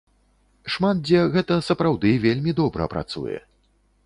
Шмат дзе гэта сапраўды вельмі добра працуе.